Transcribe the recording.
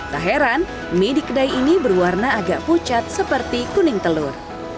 tak heran mie di kedai ini berwarna agak pucat seperti kuning telur